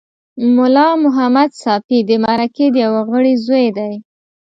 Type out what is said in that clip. ملا محمد ساپي د مرکې د یوه غړي زوی دی.